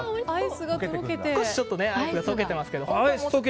少しアイスが溶けてますけども。